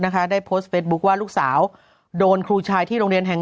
ได้โพสต์เฟสบุ๊คว่าลูกสาวโดนครูชายที่โรงเรียนแห่ง